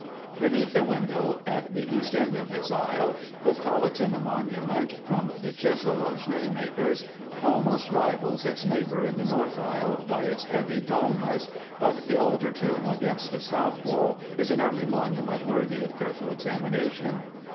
_ Beneath the window at the east end of this aisle the Colleton monument, "from the chisel of Scheemakers," almost rivals its neighbour in the North Aisle by its heavy dulness, but the altar tomb against the south wall is an early monument worthy of careful examination.